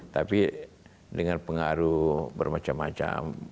tapi dengan pengaruh bermacam macam